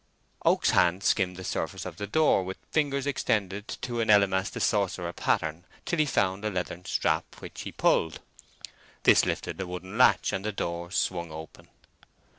Oak's hand skimmed the surface of the door with fingers extended to an Elymas the Sorcerer pattern, till he found a leathern strap, which he pulled. This lifted a wooden latch, and the door swung open.